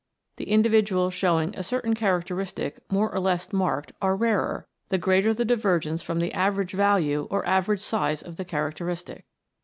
The individuals showing a certain characteristic more or less marked, are rarer, the greater the divergence from the average value or average size of the char acteristic.